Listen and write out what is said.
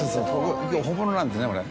本物なんですねこれ。